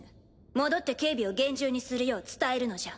戻って警備を厳重にするよう伝えるのじゃ。